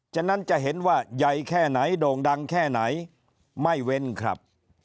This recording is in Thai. ฉะนั้นจะเห็นว่าใหญ่แค่ไหนโด่งดังแค่ไหนไม่เว้นครับ